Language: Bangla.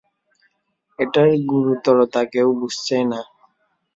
এটার গুরুতরতা কেউ বুঝছেই না।